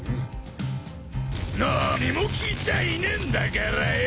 何も効いちゃいねえんだからよ。